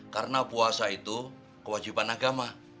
karena puasa itu kewajiban agama